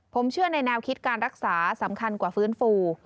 ผมเชื่อในแนวคิดการรักษาสำคัญกว่าฟื้นฟู